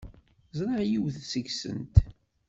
Ẓriɣ yiwet seg-sent.